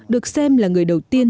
được xem là người đầu tiên